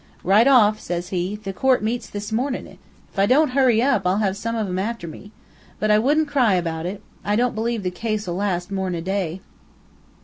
"'Right off,' says he. 'The court meets this mornin'. If I don't hurry up, I'll have some of 'em after me. But I wouldn't cry about it. I don't believe the case'll last more'n a day.'